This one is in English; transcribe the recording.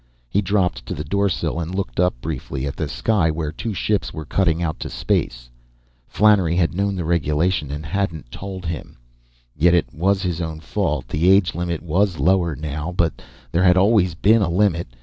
He dropped to the doorsill and looked briefly up at the sky where two ships were cutting out to space. Flannery had known the regulation and hadn't told him. Yet it was his own fault; the age limit was lower now, but there had always been a limit.